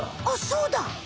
あっそうだ。